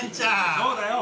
そうだよ。